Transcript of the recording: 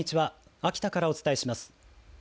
秋田からお伝えします。